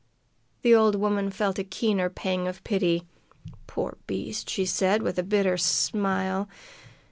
The old woman felt a keener pang of pity. "Poor beast!" she said, with a bitter smile.